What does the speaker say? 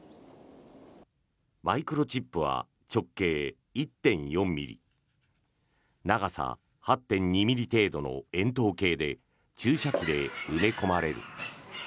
マイクロチップは直径１．４ｍｍ長さ８．２ｍｍ程度の円筒形で注射器で埋め込まれる。